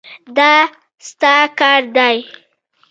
دا ستا کار دی.